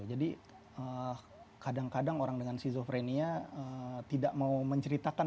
jadi kadang kadang orang dengan sizofrenia tidak mau menceritakan